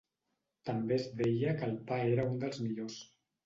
També es deia que el pa era un dels millors.